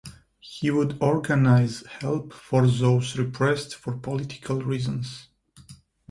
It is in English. He would organize help for those repressed for political reasons.